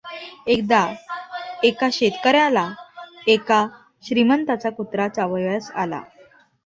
एकदा एका शेतकऱ्याला एका श्रीमंताचा कुत्रा चावावयास आला.